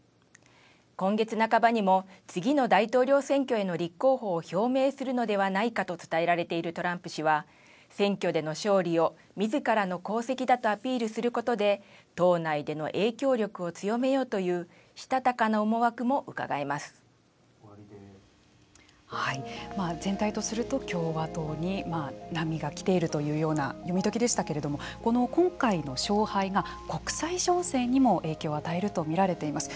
今月半ばにも次の大統領選挙への立候補を表明するのではないかと伝えられているトランプ氏は選挙での勝利をみずからの功績だとアピールすることで党内での影響力を強めようという全体とすると共和党に波が来ているというような読み解きでしたけれどもこの今回の勝敗が国際情勢にも影響を与えると見られています。